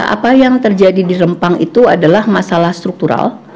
apa yang terjadi di rempang itu adalah masalah struktural